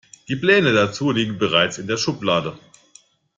Die Pläne dazu liegen bereits in der Schublade.